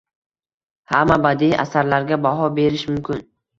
Hamma badiiy asarlarga baho berish mumkin.